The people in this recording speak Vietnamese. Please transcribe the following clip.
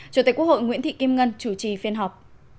chủ tịch quốc hội nguyễn thị kim ngân chủ trì phiên họp